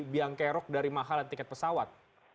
biangkerok dari mahalan tiket pesawat